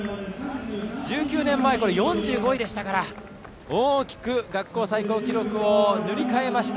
１９年前、４５位でしたから大きく学校最高記録を塗り替えました。